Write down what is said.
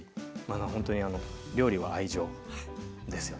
ほんとに料理は愛情ですよねはい。